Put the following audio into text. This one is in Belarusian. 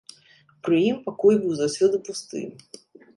Пры ім пакой быў заўсёды пусты.